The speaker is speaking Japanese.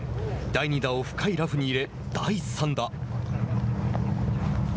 第２打を深いラフに入れ